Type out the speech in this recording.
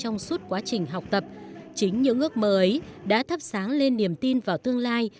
trong suốt quá trình học tập chính những ước mơ ấy đã thắp sáng lên niềm tin vào tương lai